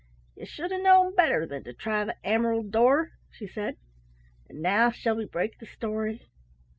"You should have known better than to try the emerald door," she said; "and now shall we break the story?"